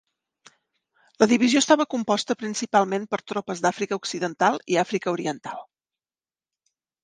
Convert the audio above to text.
La divisió estava composta principalment per tropes d'Àfrica Occidental i Àfrica Oriental.